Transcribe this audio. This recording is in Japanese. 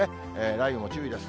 雷雨も注意です。